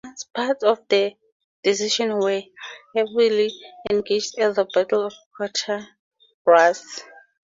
Parts of the division were heavily engaged at the Battle of Quatre Bras.